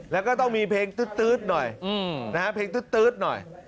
แล้วก็ต้องมีเพลงตื๊ดหน่อยนะฮะเพลงตื๊ดหน่อย